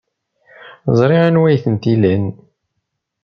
Ẓriɣ anwa ay tent-ilan.